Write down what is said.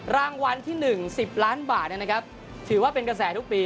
รางวัลที่๑๐ล้านบาทถือว่าเป็นกระแสทุกปี